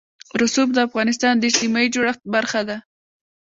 رسوب د افغانستان د اجتماعي جوړښت برخه ده.